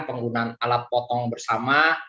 penggunaan alat potong bersama